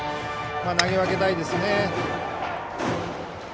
投げ分けたいですね。